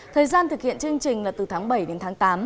thời gian thực hiện chương trình là từ tháng bảy đến tháng tám